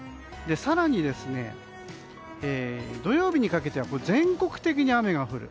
更に、土曜日にかけては全国的に雨が降る。